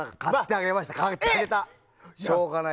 しょうがない。